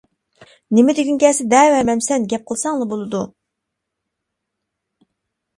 -نېمە دېگۈڭ كەلسە دەۋەرمەمسەن گەپ قىلساڭلا بولىدۇ.